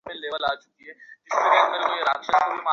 তুমি যত নিতে চাও, ততই দেব।